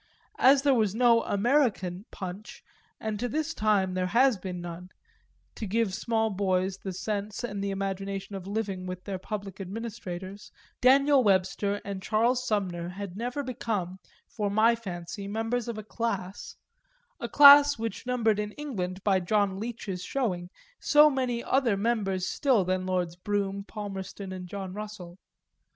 As there was no American "Punch," and to this time has been none, to give small boys the sense and the imagination of living with their public administrators, Daniel Webster and Charles Sumner had never become, for my fancy, members of a class, a class which numbered in England, by John Leech's showing, so many other members still than Lords Brougham, Palmerston and John Russell.